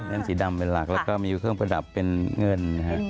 สีดำเป็นหลักแล้วก็มีเครื่องประดับเป็นเงิน